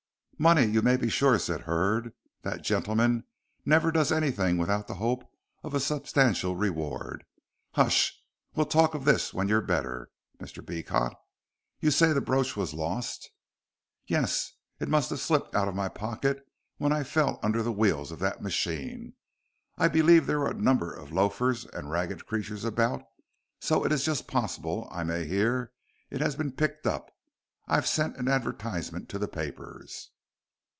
"Money, you may be sure," said Hurd. "That gentleman never does anything without the hope of a substantial reward. Hush! We'll talk of this when you're better, Mr. Beecot. You say the brooch was lost." "Yes. It must have slipped out of my pocket when I fell under the wheels of that machine. I believe there were a number of loafers and ragged creatures about, so it is just possible I may hear it has been picked up. I've sent an advertisement to the papers."